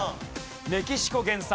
メキシコ原産。